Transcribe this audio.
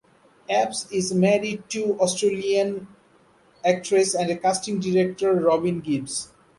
Apps is married to Australian actress and casting director Robyn Gibbes.